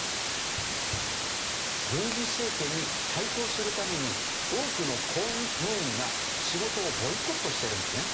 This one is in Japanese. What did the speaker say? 軍事政権に対抗するために多くの公務員が仕事をボイコットしてるんですね。